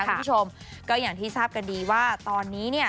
คุณผู้ชมก็อย่างที่ทราบกันดีว่าตอนนี้เนี่ย